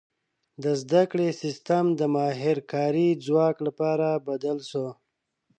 • د زده کړې سیستم د ماهر کاري ځواک لپاره بدل شو.